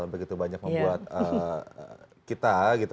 begitu banyak membuat kita gitu